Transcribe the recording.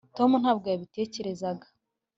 tom ntabwo yabitekerezaga